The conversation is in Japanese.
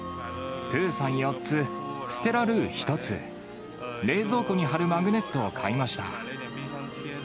プーさん４つ、ステラ・ルー１つ、冷蔵庫に貼るマグネットを買いました。